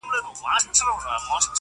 څوك به نيسي د ديدن د ګودر لاري!!